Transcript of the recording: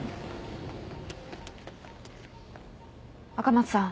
赤松さん。